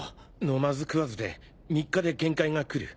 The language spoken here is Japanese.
飲まず食わずで３日で限界が来る。